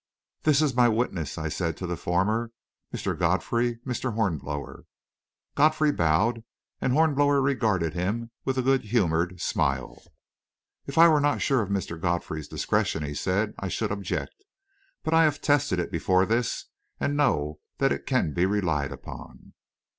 "This is my witness," I said to the former. "Mr. Godfrey Mr. Hornblower." Godfrey bowed, and Hornblower regarded him with a good humoured smile. "If I were not sure of Mr. Godfrey's discretion," he said, "I should object. But I have tested it before this, and know that it can be relied upon."